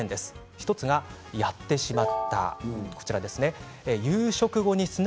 １つは、やってしまったこと。